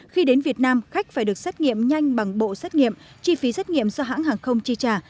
khi đến việt nam khách phải được xét nghiệm nhanh bằng bộ xét nghiệm chi phí xét nghiệm do hãng hàng không chi trả